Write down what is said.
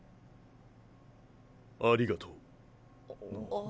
ありがとう。